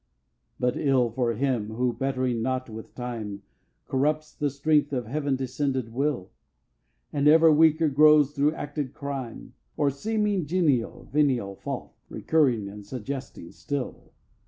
2. But ill for him who, bettering not with time, Corrupts the strength of heaven descended Will, And ever weaker grows thro' acted crime, Or seeming genial venial fault, Recurring and suggesting still!